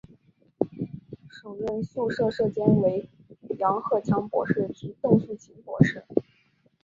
首任宿舍舍监为杨鹤强博士及邓素琴博士。